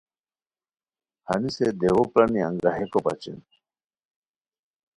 ہنیسے دیوؤ پرانی انگاہیکو بچین